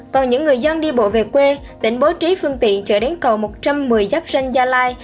còn những người dân đi bộ về quê tỉnh bố trí phương tiện chở đến cầu một trăm một mươi giáp ranh gia lai